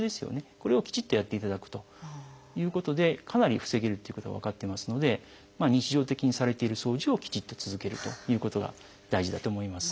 これをきちっとやっていただくということでかなり防げるっていうことが分かってますので日常的にされている掃除をきちっと続けるということが大事だと思います。